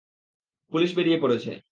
Police বেরিয়ে পড়েছে।